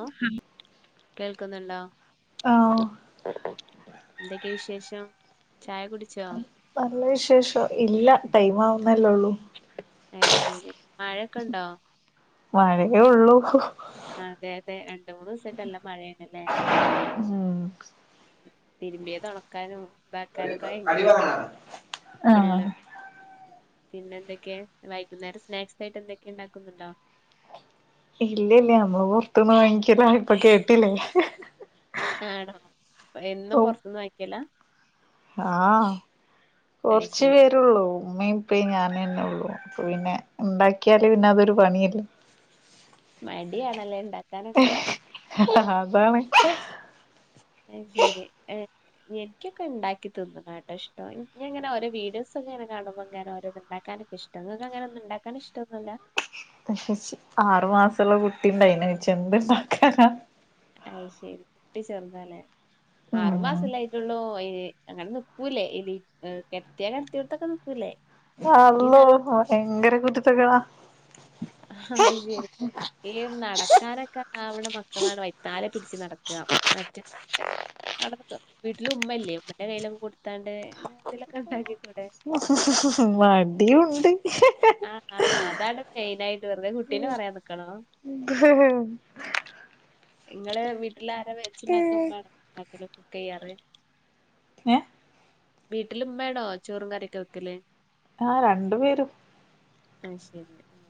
അ. കേൾക്ക്ന്ന്ണ്ടോ? ആ ഒ ന്തെക്കെയ വിശേഷം? ചായ കുടിച്ചോ? നല്ല വിശേഷൊ. ഇല്ല. ടൈമാവുന്നല്ലള്ളു. അയ്ശരി. മഴൊക്കണ്ടോ? മഴയെ ഉള്ളു ഹു ഹ് അതെതെ രണ്ട് മൂന്ന് സായിട്ടല്ല മഴയാണ്ല്ലേ? തിര്മ്പ്യതൊന്നണക്കാനു താക്കാനൊക്കയങ്കരത് ആഹ് പിള്ള- പിന്നെന്തൊക്കെയാ വൈകുന്നേരം സ്നാക്സായിട്ടെന്തൊക്കെണ്ടാക്കുന്നുണ്ടോ? ഇല്ലെല്ല്യ മ്മള് പൊർത്ത്ന്ന് വാങ്ങ്ക്ക്യലാ ഇപ്പ കേട്ടിലേ ഹ് ആണോ പ എന്നും പൊറത്ത്ന്നാങ്ങിക്കലാ? ആഹ് അയ് കൊർച്ച് ശരി [unintelligible] റ്റുള്ളൂ. മ്മയ് പ്പയ് ഞാനേ ണ്ടാവുള്ളു. പ പിന്നെ ഉണ്ടാക്ക്യാല് പിന്നതൊരു പണിയല്ലെ. മടിയാണല്ലേണ്ടാക്കാനൊക്കെ? ഹ ഹ ഹ അതാണ്. [inaudible] അയ്ശരി എ യെനിക്കൊക്ക ണ്ടാക്കി തിന്ന്ണാട്ടൊ ഷ്ടം. ഞാൻ ങ്ങന ഓരൊ വീഡിയോസൊങ്ങന കാണുമ്പം ങ്ങനോരോന്ന്ണ്ടാക്കാനൊക്കഷ് [unintelligible] അങ്ങനൊന്ന് ണ്ടാക്കാനിഷ്ടൊന്നുല്ല. [unintelligible] ആറു മാസള്ള കുട്ടിണ്ടയിനെ വെച്ചെന്ത്ണ്ടാക്കാനാ. അയ് ശരി. ട്ടി ചെർതാലെ ഉം ആറുമാസല്ലായ്റ്റുള്ളൂ. അയിന് അങ്ങന ന്ക്കൂലെ എലി എ കെടത്യാ കെടത്ത്യോട്ത്തൊക്ക ന്ക്കൂലെ. കിടത്തിയോടത്തൊക്കെ നിക്കൂലെ. ആള്ളോ വയങ്കര കുരുത്തക്കേടാ അ ഹ ഹ [unintelligible] ഈം നടക്കാനൊക്ക ആവ്ണ മക്കളാണ് വൈത്താല പിടിച്ച് നടക്ക [unintelligible] [unintelligible] വീട്ടിലുമ്മല്ലെ ഉമ്മന്റെ കയ്യിലൊന് കൊടുത്താണ്ട് ന്തെലൊക്കണ്ടാക്കിക്കൂടെ? [inaudible] മടിയുണ്ട് ഇഹ ഹ അ അ അതാണ് മെയിനായിട്ട് വെറ്തെ കുട്ടീനെ വറയാം ന്ക്കണോ. ക് ഹ് ഹ് ഇങ്ങളെ വീട്ടിലാരാ വെച്ച് ണ്ടാക്ക ഏ മ്മാണൊ [unintelligible] കുക്കെയ്യാറ് വീട്ടില്മ്മേണൊ ചോറും കറിയൊക്ക വെക്കല്? ആഹ് രണ്ടു പേരു അയ്ശരി ആ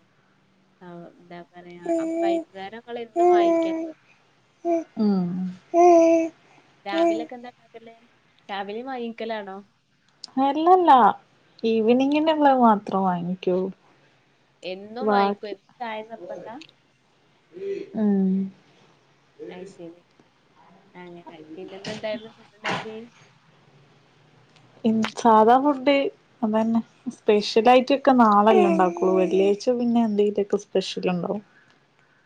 ആ ഒ ന്താ പറയാ അപ്പൊ വൈകുന്നേരം ങ്ങളെന്നും വാങ്ങിക്കാ [unintelligible] ഉം രാവിലൊക്കന്താണ്ടാക്കല്? രാവിലെയ് വാങ്ങിക്കലാണോ? അല്ലല്ലാ എവെനിംഗിന് ഉള്ളത് മാത്രം വാങ്ങിക്കൂ. എന്നും വാങ്ങിക്കോ [unintelligible] ചായ നിർബന്ത. [unintelligible] ഉം അയ്ശരി അങ്ങനെ പിന്നെ ഇന്ന് എന്തായിരുന്നു ഫുഡ് ഉണ്ടാക്കിയെ. സാധാ ഫുഡ് അത തന്നെ സ്പെഷ്യൽ ആയിട്ടൊക്കെ നാളെല്ലേ ഉണ്ടാക്കുള്ളൂ വെള്ളിയാഴ്ച പിന്നെ എന്തെങ്കിലുമൊക്കെ സ്പെഷ്യൽ ഉണ്ടാവും.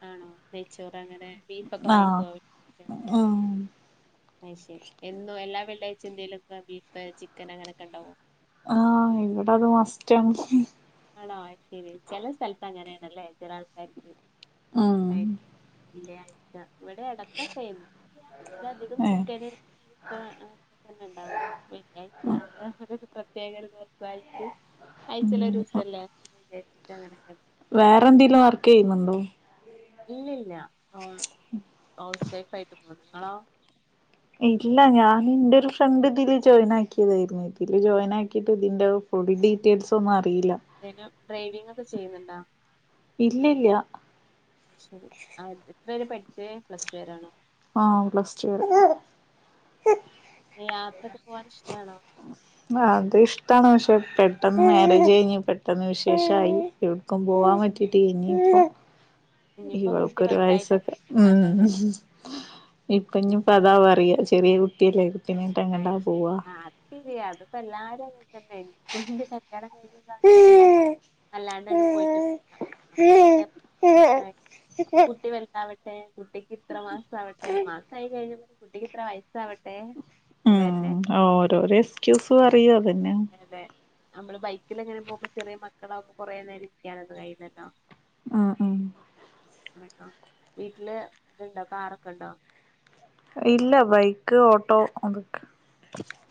ആണോ നെയ്ച്ചോറ് അങ്ങനെ ബീഫൊക്കെ ആഹ് വാങ്ങിക്കൊ. [inaudible] ഉം അയ്ശെരി എന്നോ എല്ലാ വെള്ളി ആഴ്ചയും എന്തേലൊക്കെ ബീഫ് ചിക്കൻ അങ്ങനെയൊക്കെ ഉണ്ടാവോ ആഹ് ഇവിടെ അത് മസ്റ്റാണ്. ആണോ അയ്ശെരി ചില സ്ഥലത്ത് അങ്ങനെ ആണല്ലേ ചില ആൾക്കാർക്ക്. ഉം വെള്ളിയാഴ്ച്ച ഇവിടെ ഇടക്കൊക്കെ അധികം ഏ ചിക്കന് [unintelligible] ഇണ്ടാവാ വെള്ളിയഴ്ച [unintelligible] പ്രത്യേകമുള്ള ദിവസായിട്ട് ഉം ആയ്ച്ചേല് ഒരു ദിവസല്ലേ വിചാരിച്ചിട്ട് അങ്ങനൊക്കെ വേറെ എന്തെലും വർക്ക് ചെയ്യുന്നുണ്ടോ ഇല്ല ഇല്ല ഹൌസ് വൈഫ്‌ ആയിട്ട് പോന്നു ഇങ്ങളോ. ഇല്ല ഞാൻ എൻ്റെ ഒരു ഫ്രണ്ട് ഇതില് ജോയിൻ ആക്കിയതായിരുന്നു ഇതില് ജോയിൻ ആക്കി ആക്കിട്ട് ഇതിൻ്റെ [unintelligible] ഡീറ്റെയിൽസ് ഒന്നും അറിയില്ല. പിന്നെ ഡ്രൈവിംഗ ഒക്കെ ചെയ്യുന്നുണ്ടോ. ഇല്ലല്ല ശരി ആഹ് എത്ര പേരെ പഠിച്ചത് പ്ലസ് ടു വരാണോ ആഹ് പ്ലസ് ടു വരെ യാത്രയൊക്കെ പോവാൻ ഇഷ്ടമാണോ അത് ഇഷ്ടാണ് പക്ഷെ പെട്ടെന്ന് മാരേജ് കഴിഞ്ഞ് പെട്ടന്ന് വിശേഷായി [unintelligible] പോവാൻ പറ്റിട്ട് ഇനി ഇപ്പം ഇനിയിപ്പോ കുട്ടി ഇവൾക്കൊരു വലുതായിട്ട് അങ്ങനെ വയസ്സൊക്കെ പോവാല്ലോ ഉം ഇപ്പൊ അല്ലേ ഇനിയിപ്പോ അതാ പറയാ ചെറിയ കുട്ടിയല്ലേ. കുട്ടീനായിട്ട് അ എങ്ങട്ടാ ശരി പോവാ അത് ശെരിയാ അതിപ്പോ എല്ലാരും അങ്ങനെ തന്നെ ഇപ്പോളോ എന്റെ കല്യാണം കഴിഞ്ഞ സത്തൊക്കെ ഞ നല്ലാണ്ടായിട്ട് പോയിട്ട് അപ്പന്ത അപ്പൊ കുട്ടി വരുത്തവിട്ട.. കുട്ടിക്ക് ഇത്ര മാസ ആവട്ടെ മാസായി കഴിഞ്ഞ കുട്ടിക്ക് ഇത്ര വയസാവട്ടെ. അതായന്നെ ഓ ഓരോരോ എക്സ്ക്യൂസും അറിയോ അതന്നെ. അതെ നമ്മള് ബൈക്കിൽ എങ്ങനെ പോകുമ്പോ ചെറിയ മക്കളാവകുമ്പോ കൊറേ നേരം ഇരിക്കാനൊന്ന കഴയില്ലല്ലോ. ഉം ഉം കേട്ടോ വീട്ടില് ഇത്ണ്ടോ കാറൊക്കെ ഉണ്ടോ. ഇല്ല ബൈക്ക് ഓട്ടോ അതൊക്കെ.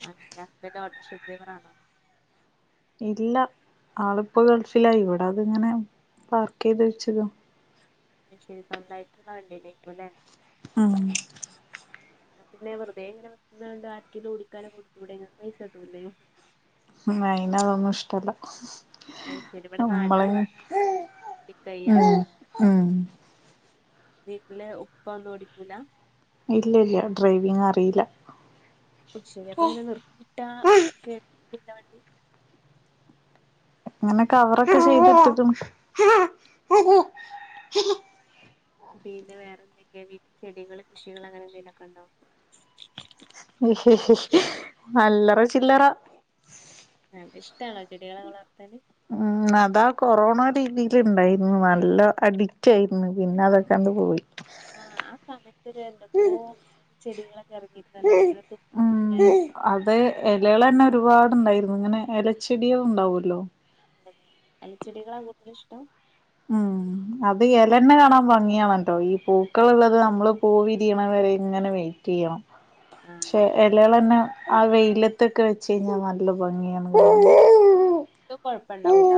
അ ഓട്ടോറിക്ഷ ഡ്രൈവറാണോ. ഇല്ല ആളിപ്പോ ഗൾഫില ഇവിടെ അത് ഇങ്ങനെ പാർക്ക് ചെയ്ത് വച്ചത് ശരി സ്വന്തായിട്ടന്ന വണ്ടല്ലേ പോല്ലെ ഉം പിന്നെ വെറുതെങ്ങനെക്കതണ്ട് ആറ്റി കുടിക്കാന കൊടുത്തുടെങ്ങക്ക്പൈസ കിട്ടൂല്ലേ. ഉം അയിന അതൊന്നും ഇഷ്ടല്ല അത് ശരി ഇവിടെ നമ്മള നാട്ടില് വന്നാല് ഓടിക്കയ്യ ഉം ഉം വീട്ടിലെ ഉപ്പന്ന്ഓടിക്കൂല. ഇല്ല ഇല്ല ഡ്രൈവിങ് അറിയില്ല. ശരി അപ്പൊ ഇങ്ങനെ നിർത്തിയിട്ടാ കേടാകില്ലെ വണ്ടി. അങ്ങനെ കവറൊക്കെ ചെയ്തിട്ട് കുണു. പിന്നെ വേറെ എന്തൊക്കെയെ ചെടികൾ കൃഷികൾ അങ്ങനെ എന്തെങ്കലുമൊക്കെ ഉണ്ടോ. അല്ലറ ചില്ലറ. ആ ന്നട്ട് ഇഷ്ടാണോ ചെടികളെ വളർത്തല്. ഉം അതാ കൊറോണൊടെ ഇതിൽ ഇണ്ടായിന്നു നല്ല അഡിക്റ്റ് ആയിരുന്നു പിന്നെ അതൊക്കണ്ട് പോയി. ആഹ് ആ സമയത്ത് ഒരെ എന്തൊക്കോ ചെടികളൊക്കെ ഇറങ്ങിയിരുന്നല്ലോ ലെ ഇങ്ങനെ തു ഉം അത് എലകളെന്നെ ഒരുപാട്ണ്ടായിരുന്നു ഇങ്ങനെ എലച്ചെടിയെള് ഉണ്ടാവല്ലോ. എലച്ചെടികളാ കൂടുതല് ഇഷ്ടം. ഉം അത് എലന്നേ കാണാൻ ഭംഗിയാണല്ലോ ഈ പൂക്കള് ഇള്ളത് നമ്മള് പൂവിരിയണെ വരെ ഇങ്ങനെ വെയിറ്റ് എയ്യണം ആഹ് ക്ഷെ അതെ എ ലയാളെന്നെ ആ വെയിലത്തൊക്കെ വെച് കഴിഞ്ഞാ നല്ല ഭംഗിയാണ്. ലകൾ കാണാൻ ത് കൊഴപ്പണ്ടാവൂല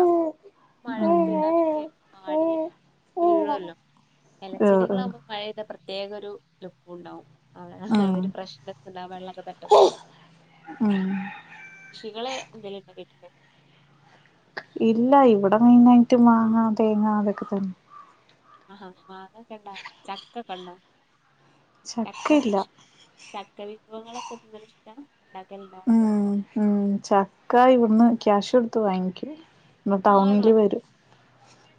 മഴൊക്കെ പെയ്താ വേം വാടി വീഴുയൊല്ലോ ആഹ് ആഹ് എലച്ചെടികളാവുമ്പോ മഴയെയ്ത പ്രത്യേക ഒരു ലുക്കും ഉണ്ടാവും. ആ ആഹ് ഒരു പ്രശ്നംക്കണ്ട വെള്ളൊക്കെ തട്ടുമ്പോ. ഉം കൃഷികള് എന്തെലും ഉണ്ടാക്കിറ്റില്ലേ? ഇല്ല ഇവിടെ മെയിനായിറ്റ് മാങ്ങ തേങ്ങ അതൊക്കെ തന്നെ. ആഹാ മാങ്ങക്കെണ്ടാ ചക്കക്കെണ്ടോ ചക്ക ചക്കയില്ല കൃഷ്‌ ചക്കവിഭവങ്ങളൊക്കെ തിന്ന്ണെ ഇഷ്ട ഇണ്ടാക്കല്ണ്ടോ? ഉം ഉം ചക്ക ഇവിട്ന്ന് ക്യാഷ് കൊട്ത്ത് വാങ്ങിക്കാ. ആണോ?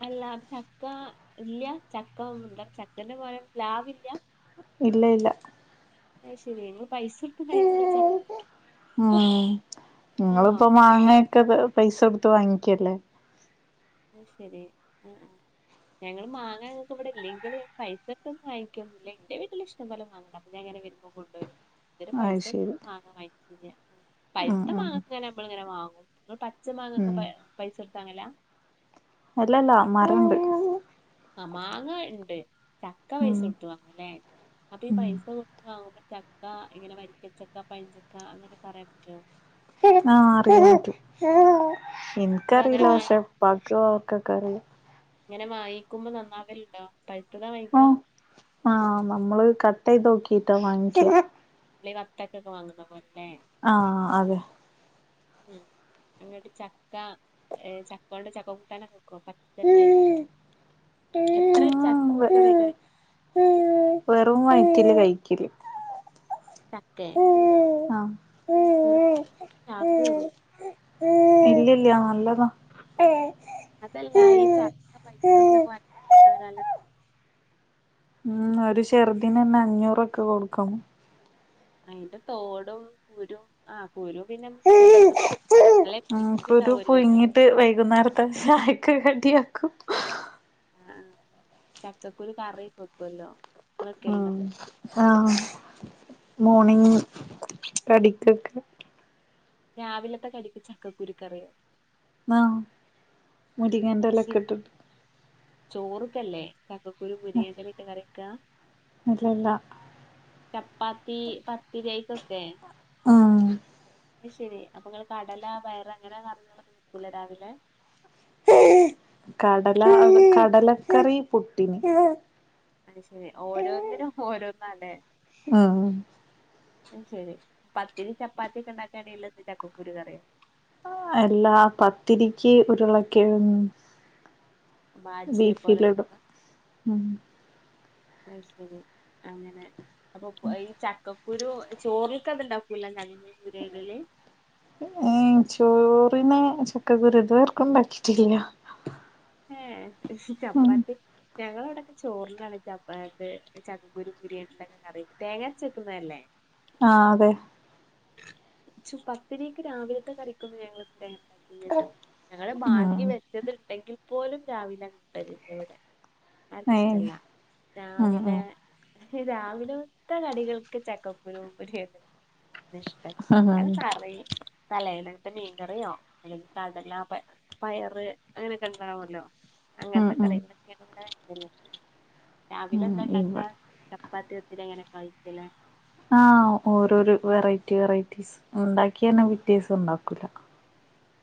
അല്ല ചക്ക ഇല്ല്യ ചക്ക ന്താണ് ചക്കന്റെ പോലെ പ്ലാവില്ല. ഇല്ല ഇല്ല അത് ശെരി ഇങ്ങള് പൈസ കൊട്ത്ത് കഴിക്കല ചക്ക ഉം ചക്കയാണോ ഇങ്ങൾപ്പോ മാങ്ങെയോക്കെ പൈസ കൊടുത്ത് വാങ്ങിക്കല്ലേ? അത് ശരി ഏ ആഹ് ഞങ്ങള് മാങ്ങ ഞങ്ങക്ക് ഇവിടെ ഇല്ലെങ്കില് പൈസ കൊടുത്തൊന്നും വാങ്ങിക്കൊന്നുല്ല ഇന്റെ വീട്ടില് ഇഷ് ഇഷ്ടം പോലെ മാങ്ങണ്ട് അപ്പൊ ഞാങ്ങനെ വരുമ്പോ കൊണ്ടുവരും. ഇത് വരെ അത് പൈസ കൊടുത്ത് ശരി മാങ്ങ വാങ്ങിറ്റില്ല ഉം പഴുത്ത ഉം മാങ്ങക്കെങ്ങനെ ഞമ്മള്ങ്ങനെ വാങ്ങും ഇങ്ങള് പച്ച മാങ്ങൊക്കെ ഉം പൈ പൈസ കൊട്ത്താങ്ങല? ഇല്ലല്ല മരം ഉണ്ട്. ആ മാങ്ങ ഇണ്ട് ചക്ക ഉം പൈസ കൊട്ത്തു വാങ്ങൂലേ? അപ്പഈ ഉം പൈസ കൊടുത്ത് വാങ്ങുമ്പോ ചക്ക ഇങ്ങനെ വരിക്കച്ചക്ക പഴഞ്ചക്ക അങ്ങനെ അറിയാൻ പറ്റുവൊ? ആ അറിയാം പറ്റും ഇങ്ങള് അങ്ങനെ ഇൻക്കറീല്ല വാങ്ങി പക്ഷെ ഉപ്പക്ക് ഓര്ക്കൊക്കെ അറിയാം ഇങ്ങനെ വാങ്ങിക്കുമ്പോ നന്നാകല്ണ്ടോ പഴുത്തതാ വാങ്ങിക്ക? ആ നമ്മള് കട്ട് എയ്തോക്കിട്ടാ വാങ്ങിക്ക [inaudible] ല് ഈ വത്തക്ക ഒക്കെ വാങ്ങുന്ന പോലല്ലേ? ആഹ് അതെ. ഉം ഇങ്ങട്ട് ചക്ക എ ചക്കൊണ്ട് ചക്ക കൂട്ടനോക്കെ വെക്കുവൊ പ [unintelligible] എത്രേ ചക്കെക്ക് വില വര് വെറും വയറ്റില് കഴിക്കല് ചക്കെ? ആ വെറ്തെ തിന്ന ഗ്യാസ് കേറും ഇല്ല്യല്ല നല്ലതാ ഏ അതല്ല ഈ ചക്ക പൈസടുത്തൊക്കെ വാങ്ങി [unintelligible] ഉം ഒരു ചെറുതിന് നന്നെ അഞ്ഞൂറൊക്കെ കൊടുക്കണം അയിന്റെ തോടും കുരും ആ കുരു പിന്നെ ഉപയോഗിക്കത്തൊന്നു അല്ലേ [unintelligible] ഉണ്ടാവു അല്ലോല്ലേ ഒരു വൈകുന്നേരം പ്പൊ ചായക്ക് കടിയാക്കും ആ അ ചക്കക്കുരു കറീം വെക്കൊല്ലോ ആഹ് ആഹ് ആ മോർണിംഗ് കടിക്കൊക്കെ രാവിലത്തെ കടിക്ക് ചക്കക്കുരു കറിയോ ആഹ് മുരിങ്ങേന്റെ അത് ഇലെക്കെ ശരി ഇട്ട്ട്ട് ചോറ്ക്കല്ലേ ചക്കക്കുരു മുരിങ്ങേൻ്റെല ഇട്ട് കറിവെക്ക ഇല്ല ഇല്ല ചപ്പാത്തി പത്തിരി അയിക്കൊക്കെ ആഹ് അയ്ശേരി അപ്പൊ നിങ്ങള് കടല പയറ് അങ്ങനെ കറികളൊന്നും വെക്കൂല രാവിലെ കടല കടലക്കറി പുട്ടിന് അയ്ശേരി ഓരോന്നിനും ഓരോന്നാല്ലേ ആഹ് അയ്ശേരി പത്തിരി ചപ്പാത്തിക്കൊണ്ടാക്കാനേള്ളൂ ചക്കക്കുരു കറിയോ എല്ലാ പത്തിരിക്ക് ഉരുളക്കിഴങ്ങ് ബാജിയെ പോലെ ബീഫിലിടും ഉണ്ടാക്കാ ഉം അയ്ശേരി അങ്ങനെ അപ്പൊ ഈ ചക്ക ക്കുരു ചോറിക്ക് അത് ഉണ്ടാക്കൂലാ [unintelligible] ഇടല് ഏഹ് ചോറിന് ചക്കക്കുരു ഇതുവർക്കും വച്ചിട്ടില്ല ഏഹ് ഉം ചപ്പാത്തി ഞങ്ങള് ഇവിടൊക്കെ ചോറിനാണ് ചപ്പാത്ത് ചക്കക്കുരും മുരിങ്ങ ഇട്ട കറി വെക്കും തേങ്ങാരച്ചു വെക്കുന്നതല്ലേ ആഹ് അതെ പത്തിരിക്ക് രാവിലത്തെ കറിക്കൊന്നും ഞങ്ങള് ഇത് വരെ അങ്ങനെ ഉണ്ടാ ഇല്ലട്ടോ ഞങ്ങള് മാറ്റി ഉം വെച്ചത്ണ്ടെങ്കിൽ പോലും രാവിലെ കൂട്ടലില്ല ഇവിടെ ആർക്കും ഏഹ് ഇഷ്ടല്ല ഉം രാവിലെ ഉം രാവിലത്തെ കടികൾക്ക് ചക്കക്കുരും മുരിങ്ങ ഇഷ്ടല്ല ഉം അത് കറയും തലേന്നെത്തെ മീൻകറിയോ അല്ലെങ്കി കടല പ പയറ് അങ്ങനെക്കെ ഉണ്ടാവുല്ലോ ഉം അങ്ങനത്തെ ഉം കറികളൊക്കെയാണ് ഇവിടെ [unintelligible] രാവിലെ ഉം എന്താ ഇവ ണ്ടാക്കാ? ചപ്പാത്തി വിത്തില് എങ്ങനെ കയ്ക്കല്ലേ ആഹ് ഓരോരു വെറൈറ്റി വെറൈറ്റിസ് ഉണ്ടാക്കിയന്നെ പിറ്റ്യേസം ഉണ്ടാക്കൂല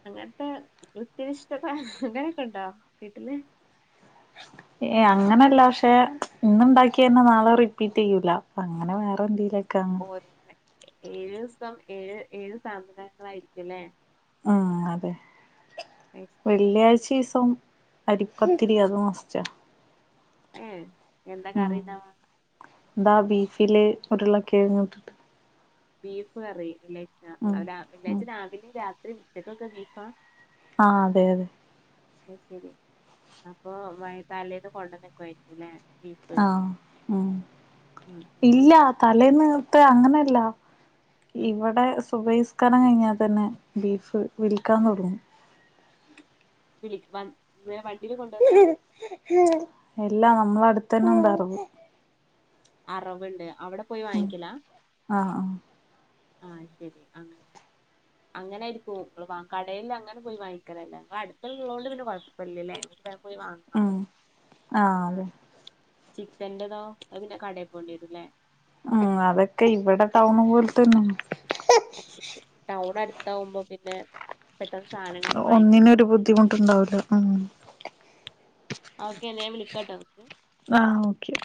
അങ്ങനത്തെ കൃത്യനിഷ്ഠത അങ്ങനൊക്കെണ്ടാ വീട്ടില്? ഏഹ് അങ്ങനല്ല പക്ഷെ ഇന്ന് ഇണ്ടാക്കിയന്നെ നാളെ റിപ്പീറ്റെയ്യൂല പ്പ അങ്ങനെ വേറെ എന്തേലൊക്കാ [unintelligible] ഏഴുസം ഏഴ് ഏഴ് സാധനങ്ങളായിരിക്കും ല്ലേ? ആഹ് അതെ കഴിച്ചത് വെള്ളിയാഴ്ച്ചിസം അരിപ്പത്തിരി അത് മസ്റ്റാ. ഏഹ് എന്താ കറിണ്ടാവ? ന്താ ബീഫില് ഉരുളക്കെഴങ്ങുട്ട് ബീഫ് കറി വെള്ളിയാഴ്ച ഉം അല ഉം വെള്ളിയാഴ്ച രാവിലെ രാത്രി ഉച്ചക്കൊക്കെ ബീഫാ? ആഹ് അതെ അതെ അയ്ശേരി അപ്പൊ വയ് തലേന്ന് കൊണ്ടെന്നുക്കായിരിക്കുംല്ലേ ആഹ് മ്മ് ഉം ഇല്ല തലേന്നുത്തെ അങ്ങനെയല്ല ഉം. ഇവിടെ സുഭയ്സ്കാരം കഴിഞ്ഞ തന്നെ ബീഫ് വിൽക്കാൻ തുടങ്ങും. വിൽ വൻ വണ്ടിയില് കൊണ്ടാർണോ ഇല്ല നമ്മള് അടുത്തന്നെ ഉണ്ടാർന്ന് അറവ്ണ്ട് അവിടെ പോയി ഉം വാങ്ങിക്കാല ആഹ് ആഹ് ആഹ് ശരി അങ്ങനെ. അങ്ങനര്ക്കും [unintelligible] കടയിൽ അങ്ങനെ പോയി വാങ്ങിക്കലല്ല ങ്ങള അടുത്ത്ള്ളോണ്ട് പിന്നെ കുഴപ്പല്ല്യല്ലേ പൊയ് വാങ്ങാ ഉം ആഹ് അതെ ചിക്കന്റെതോ, അത്, പിന്നെ, കടേൽ, പോണ്ടി, വരും, ല്ലേ? ഉം, അതൊക്കെ, ഇവിടെ, ടൗൺ, പോലെ, തന്നെ. ടൗൺ, അടുത്തവുമ്പോ, പിന്നെ പെട്ടെന്ന് സാധനങ്ങളൊക്കെ വാങ്ങിക്കും ഒന്നിനൊരു, ബുദ്ധിമുട്ടുണ്ടാവൂല്ല, ഉമ്മ്. ആ, ഓക്കെന്നാൽ, ഞാൻ വിളിക്കാട്ടോ, ക്ക് ആഹ്, ഓക്കെ.